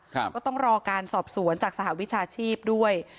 ก็ต้องรอการสอบสวนจากสหวิชาชีพด้วย